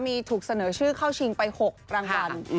มีถูกเสนอชื่อเข้าชิงไป๖รางวัล